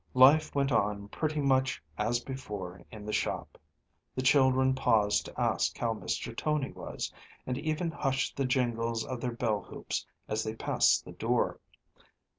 Life went on pretty much as before in the shop; the children paused to ask how Mr. Tony was, and even hushed the jingles on their bell hoops as they passed the door.